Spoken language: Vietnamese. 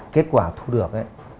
kết quả thu được